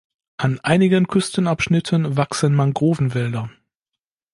An einigen Küstenabschnitten wachsen Mangrovenwälder.